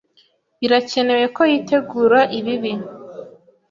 Birakenewe ko yitegura ibibi.